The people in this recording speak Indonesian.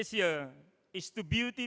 dan kita tahu bahwa